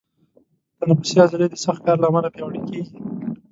تنفسي عضلې د سخت کار له امله پیاوړي کېږي.